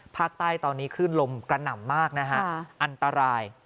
ภาคใต้ตอนนี้คลื่นลมกระหน่ำมากนะฮะอันตราย